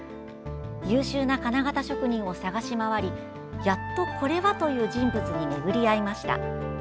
優秀な金型職人を探し回りやっと、これはという人物に巡り会いました。